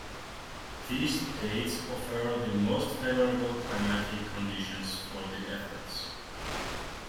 These dates offer the most favorable climatic conditions for the athletes.